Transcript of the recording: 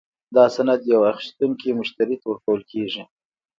دا سند یو اخیستونکي مشتري ته ورکول کیږي.